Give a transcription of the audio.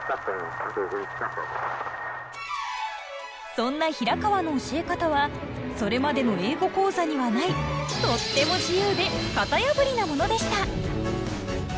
そんな平川の教え方はそれまでの英語講座にはないとっても自由で型破りなものでした！